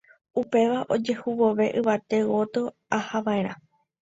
upéva ojehu vove yvate gotyo ahava'erã